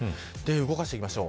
動かしていきましょう。